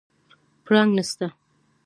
پړانګ نسته